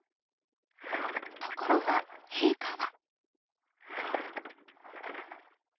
［ところが陛下は］